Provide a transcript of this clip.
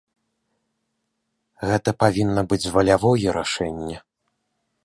Гэта павінна быць валявое рашэнне.